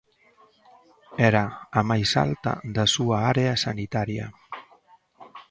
Era a máis alta da súa área sanitaria.